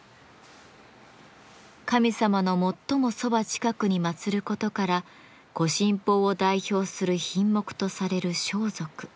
神様の最もそば近くにまつることから御神宝を代表する品目とされる装束。